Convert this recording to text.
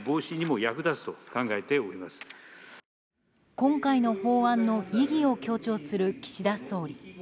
今回の法案の意義を強調する岸田総理。